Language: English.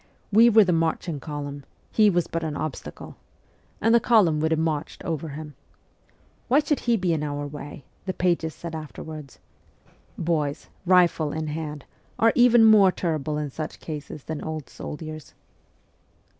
We were the marching column he was but an obstacle and the column would have marched over him. ' Why should he be in our way ?' the pages said after wards. Boys, rifle in hand, are even more terrible in such cases than old soldiers.